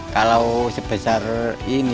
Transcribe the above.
kalau sebesar ini